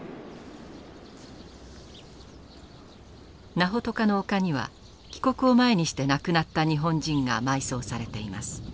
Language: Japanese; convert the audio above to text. ナホトカの丘には帰国を前にして亡くなった日本人が埋葬されています。